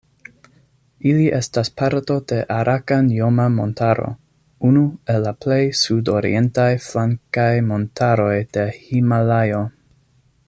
Ili estas parto de Arakan-Joma-Montaro, unu el la plej sudorientaj flankaj montaroj de Himalajo.